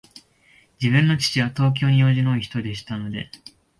自分の父は、東京に用事の多いひとでしたので、